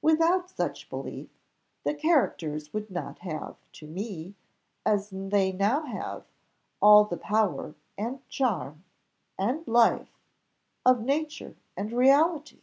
Without such belief, the characters would not have to me, as they now have, all the power, and charm, and life, of nature and reality.